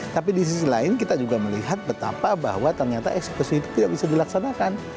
tapi di sisi lain kita juga melihat betapa bahwa ternyata eksekusi itu tidak bisa dilaksanakan